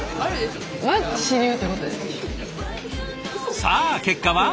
さあ結果は？